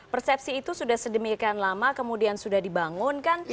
persepsi itu sudah sedemikian lama kemudian sudah dibangunkan